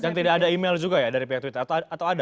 dan tidak ada email juga ya dari pihak twitter atau ada